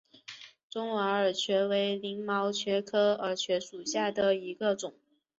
中华耳蕨为鳞毛蕨科耳蕨属下的一个种。